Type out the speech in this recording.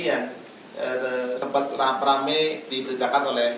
yang sempat rame rame diberitakan oleh